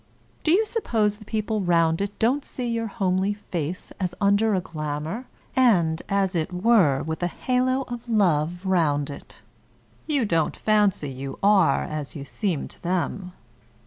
Do you suppose the people round it don't see your homely face as under a glamour, and, as it were, with a halo of love round it ? You don't fancy you are as you seem to them